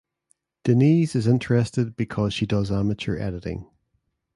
Denise is interested because she does amateur editing.